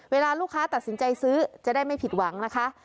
เวลาลูกค้าตัดสินใจซื้อจะได้ไม่ผิดหวังนะคะ